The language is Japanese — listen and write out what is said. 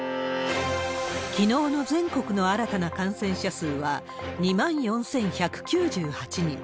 きのうの全国の新たな感染者数は、２万４１９８人。